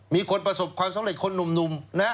มีคนประสบความสำเร็จคนหนุ่มนะ